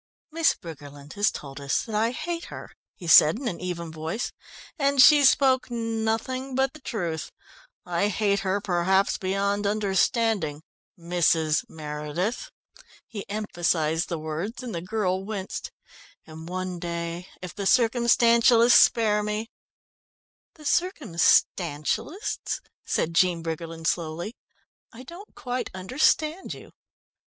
"Miss Briggerland has told us that I hate her," he said in an even voice, "and she spoke nothing but the truth. I hate her perhaps beyond understanding Mrs. Meredith." He emphasised the words, and the girl winced. "And one day, if the Circumstantialists spare me " "The Circumstantialists," said Jean Briggerland slowly. "I don't quite understand you."